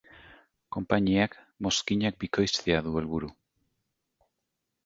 Konpainiak mozkinak bikoiztea du helburu.